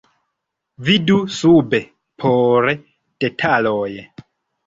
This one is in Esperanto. Vidu sube por detaloj.